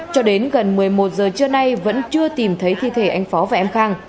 cho đến gần một mươi một giờ trưa nay vẫn chưa tìm thấy thi thể anh phó và em khang